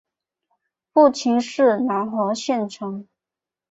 父亲是南华县丞。